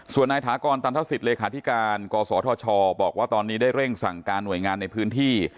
ส่วนนายถากรตันทศิษย์เลขาธิการกศธชบอกว่าตอนนี้ได้เร่งสั่งการหน่วยงานในพื้นที่